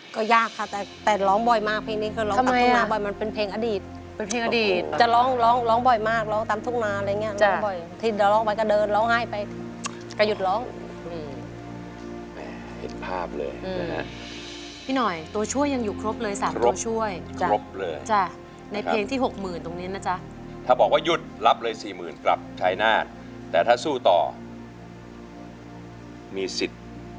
ก็ยากค่ะแต่ร้องบ่อยมากช่างนี้คือร้องตามทุกหนามันเป็นเพลงอดีต